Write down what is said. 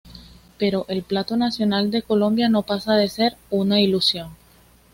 Pero el plato nacional de Colombia no pasa de ser una ilusión.